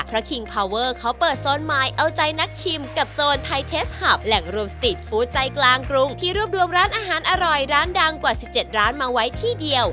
เพราะคิงพาวเวอร์เขาเปิดโซนใหม่เอาใจนักชิมกับโซนไทเทสหาบแหล่งรวมสตีทฟู้ดใจกลางกรุงที่รวบรวมร้านอาหารอร่อยร้านดังกว่า๑๗ร้านมาไว้ที่เดียว